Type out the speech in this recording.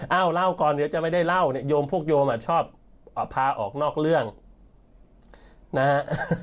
เล่าเล่าก่อนเดี๋ยวจะไม่ได้เล่าเนี่ยโยมพวกโยมชอบพาออกนอกเรื่องนะฮะ